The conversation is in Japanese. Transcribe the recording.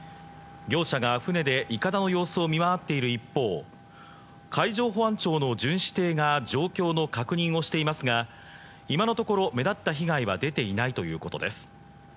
業者が船でいかだの様子を見回っている一方、海上保安庁の巡視艇が状況の確認をしていますが、今のところ目立った被害は出ていないということです。